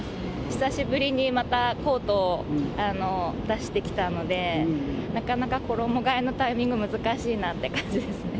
久しぶりにまたコートを出してきたので、なかなか衣がえのタイミング、難しいなって感じですね。